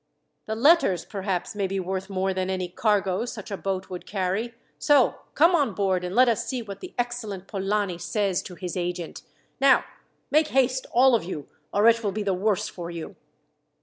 "The letters, perhaps, may be worth more than any cargo such a boat would carry. So come on board, and let us see what the excellent Polani says to his agent. Now, make haste all of you, or it will be the worse for you."